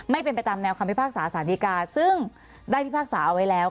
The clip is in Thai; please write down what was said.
ไม่เป็นไปตามแนวคำพิพากษาสารดีกาซึ่งได้พิพากษาเอาไว้แล้ว